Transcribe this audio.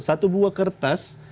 satu buah kertas